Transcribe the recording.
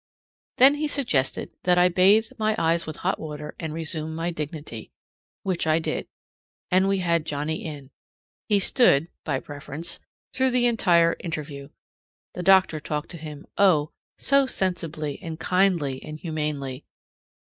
Then he suggested that I bathe my eyes with hot water and resume my dignity. Which I did. And we had Johnnie in. He stood by preference through the entire interview. The doctor talked to him, oh, so sensibly and kindly and humanely!